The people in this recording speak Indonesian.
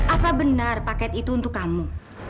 apa benar paket itu untuk kamu